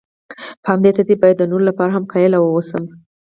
په همدې ترتیب باید د نورو لپاره هم قایل واوسم.